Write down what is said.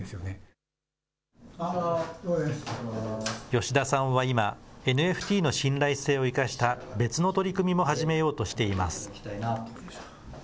吉田さんは今、ＮＦＴの信頼性を生かした別の取り組みも始めようとしています。